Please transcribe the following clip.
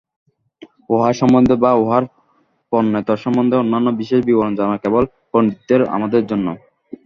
উহার সম্বন্ধে বা উহার প্রণেতার সম্বন্ধে অন্যান্য বিশেষ বিবরণ জানা কেবল পণ্ডিতদের আমোদের জন্য।